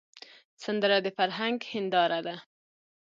سندره د فرهنګ هنداره ده